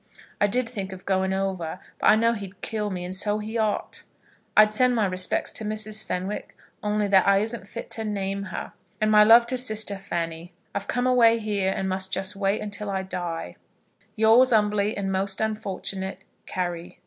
I did think of going over; but I know he'd kill me, and so he ought. I'd send my respects to Mrs. Fenwick, only that I isn't fit to name her; and my love to sister Fanny. I've come away here, and must just wait till I die. Yours humbly, and most unfortunate, CARRY.